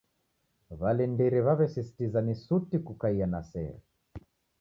W'alindiri w'aw'esisitiza ni suti kukaiya na sere.